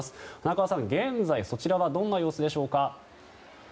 花川さん、現在のそちらはどのような様子でしょうか。